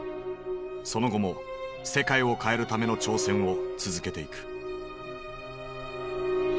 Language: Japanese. その後も世界を変えるための挑戦を続けていく。